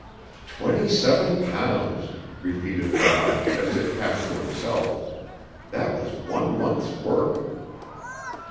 "Twenty seven pounds," repeated Rod, as if half to himself. "That was one month's work!"